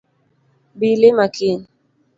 Bi ilima kiny